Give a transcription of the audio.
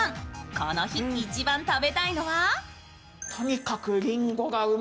この日、一番食べたいのは？